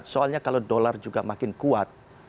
soalnya kalau dolar juga makin kuat